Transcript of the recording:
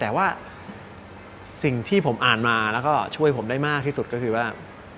แต่ว่าสิ่งที่ผมอ่านมาแล้วก็ช่วยผมได้มากที่สุดก็คือว่า